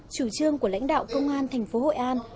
chủ trương của lãnh đạo công an thành phố hội an